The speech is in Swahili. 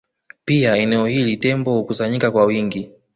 Pia eneo hili Tembo hukusanyika kwa wingi